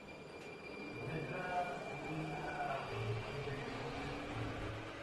Se muestra una procesión de monjes caminando.